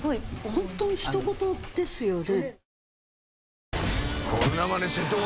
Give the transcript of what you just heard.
本当にひとごとですよね。